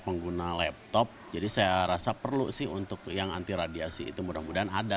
pengguna laptop jadi saya rasa perlu sih untuk yang anti radiasi itu mudah mudahan ada